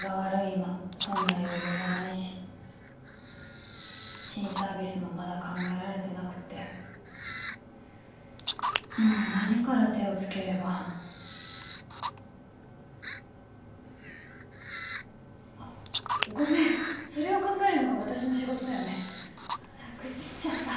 今そんな余裕はないし新サービスもまだ考えられてなくってもう何から手をつければあっごめんそれを考えるのが私の仕事だよね愚痴っちゃった